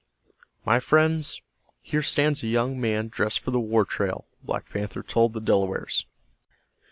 "My friends, here stands a young man dressed for the war trail," Black Panther told the Delawares.